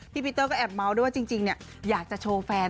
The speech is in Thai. ปีเตอร์ก็แอบเมาส์ด้วยว่าจริงอยากจะโชว์แฟน